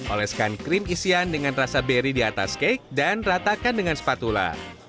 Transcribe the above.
oleskan krim isian dengan rasa beri di atas cake dan ratakan dengan spatula